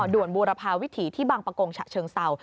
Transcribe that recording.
ด่วนบูรพาวิถีที่บางประกงฉะเชิงเศร้า